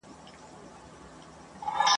نیژدې لیري یې وړې پارچې پرتې وي !.